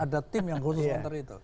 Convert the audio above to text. ada tim yang khusus nanti itu